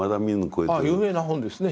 有名な本ですね。